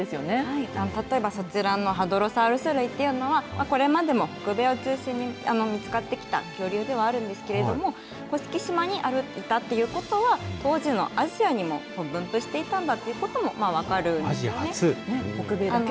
例えば、そちらのハドロサウルス類っていうのは、これまでも北米を中心に見つかってきた恐竜ではあるんですけれども、甑島にあるんだということは、当時のアジアにも分布していたんだということも分かるんですよね。